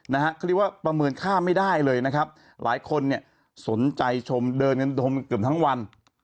เขาเรียกว่าประเมินค่าไม่ได้เลยนะครับหลายคนสนใจชมเดินกันทั้งวัน